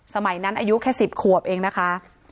สมัยนั้นอายุแค่๑๐ขวบเองนะคะ